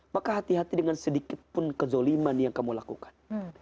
maka hati hati dengan sedikit pun kezoliman yang kamu lakukan